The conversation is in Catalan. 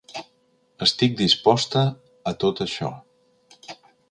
Estic disposta a tot això.